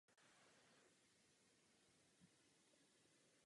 Joseph Smith za sebou zanechal velké množství písemných materiálů.